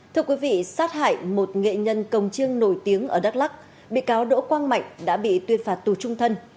thưa quý vị sát hại một nghệ nhân công chiêng nổi tiếng ở đắk lắc bị cáo đỗ quang mạnh đã bị tuyên phạt tù trung thân